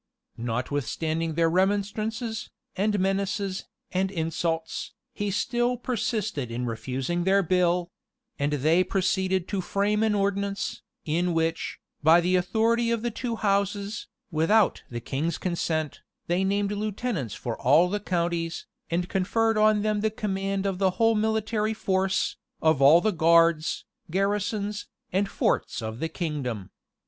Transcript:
Notwithstanding their remonstrances, and menaces, and insults, he still persisted in refusing their bill; and they proceeded to frame an ordinance, in which, by the authority of the two houses, without the king's consent, they named lieutenants for all the counties, and conferred on them the command of the whole military force, of all the guards, garrisons, and forts of the kingdom.